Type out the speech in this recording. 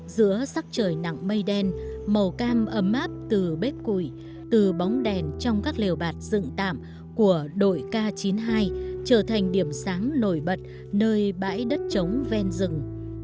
giữa sắc trời nặng mây đen màu cam ấm áp từ bếp củi từ bóng đèn trong các lều bạt dựng tạm của đội k chín mươi hai trở thành điểm sáng nổi bật nơi bãi đất trống ven rừng